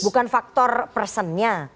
bukan faktor personnya